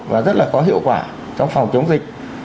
và rất là có hiệu quả trong phòng chống dịch